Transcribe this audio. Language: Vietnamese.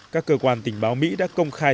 các cơ quan tình báo mỹ đã công khai